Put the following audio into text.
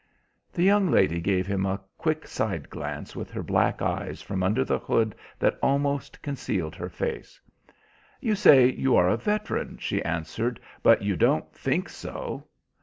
The young lady gave him a quick side glance with her black eyes from under the hood that almost concealed her face. "You say you are a veteran," she answered, "but you don't think so.